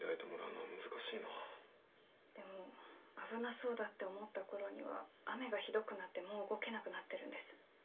でも危なそうだって思った頃には雨がひどくなってもう動けなくなってるんです。